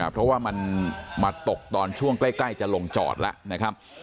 เพราะว่ามันมาตกตอนช่วงใกล้จะลงจอดแล้วนะครับ